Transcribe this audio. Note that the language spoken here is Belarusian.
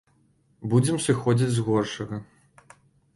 Будзем сыходзіць з горшага.